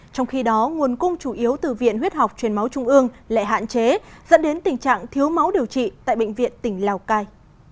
trong khi đó nguồn cung chủ yếu từ viện huyết học truyền máu trung ương lại hạn chế dẫn đến tình trạng thiếu máu điều trị tại bệnh viện tỉnh lào cai